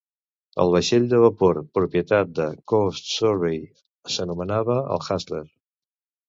El vaixell de vapor propietat de Coast Survey s'anomenava el "Hassler".